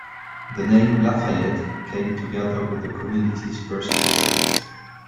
The name "LaFayette" came together with the community's first post office.